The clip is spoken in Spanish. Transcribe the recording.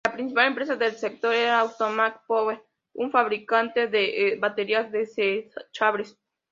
La principal empresa del sector era "Automatic Power", un fabricante de baterías desechables.